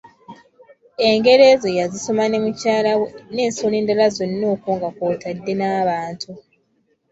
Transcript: Engero ezo yazisoma ne mukyala we n'ensolo endala zonna okwo nga kw'otadde n'abantu.